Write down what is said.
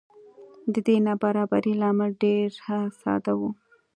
د دې نابرابرۍ لامل ډېره ساده و.